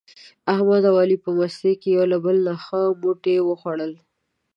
احمد او علي په مستۍ کې یو له بل نه ښه موټي و خوړل.